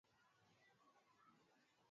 lakini wakiingia libya kwenyewe